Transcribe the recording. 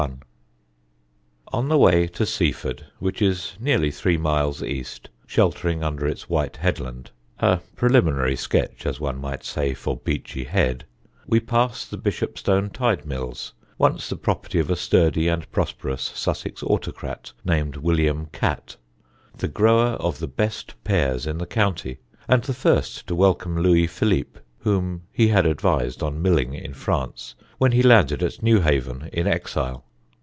[Sidenote: A SUSSEX MILLER] On the way to Seaford, which is nearly three miles east, sheltering under its white headland (a preliminary sketch, as one might say, for Beachy Head), we pass the Bishopstone tide mills, once the property of a sturdy and prosperous Sussex autocrat named William Catt, the grower of the best pears in the county, and the first to welcome Louis Philippe (whom he had advised on milling in France) when he landed at Newhaven in exile.